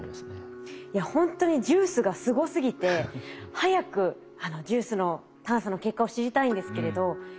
いや本当にＪＵＩＣＥがすごすぎて早くＪＵＩＣＥの探査の結果を知りたいんですけれどお。